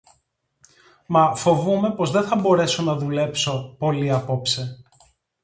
Μα φοβούμαι πως δε θα μπορέσω να δουλέψω πολύ απόψε